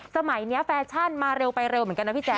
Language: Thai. สมัยนี้แฟชั่นมาเร็วไปเร็วเหมือนกันนะพี่แจ